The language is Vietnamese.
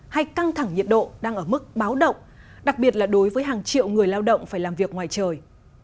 hay căng thẳng nhiệt độ đang ở mức báo động đặc biệt là đối với hàng triệu người lao động phải làm việc ngoài trời